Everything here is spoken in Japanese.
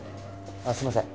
あっすいません。